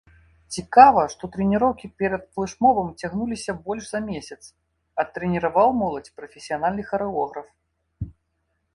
Цікава, што трэніроўкі перад флэшмобам цягнуліся больш за месяц, а трэніраваў моладзь прафесіянальны харэограф.